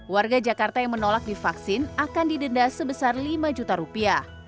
warga jakarta yang menolak divaksin akan didenda sebesar lima juta rupiah